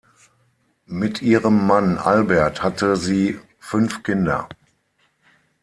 Mit ihrem Mann Albert hatte sie fünf Kinder.